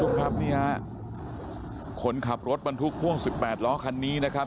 ทุกสมที่ครับนี่จะคุณขับรถบรรทุกภ่วง๑๘ล้อคันนี้นะครับ